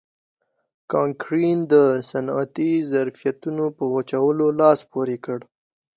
کانکرین د صنعتي ظرفیتونو په وچولو لاس پورې کړ.